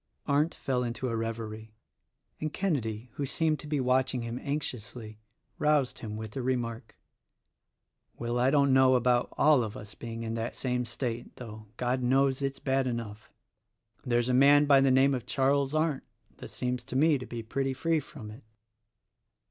Arndt fell into a reverie, and Kenedy, who seemed to be watching him anxiously, roused him with the remark: "Well, I don't know about all of us being in that same state — though, God knows, it's bad enough. There's a man by the name of Charles Arndt that seems to me to be pretty free from it."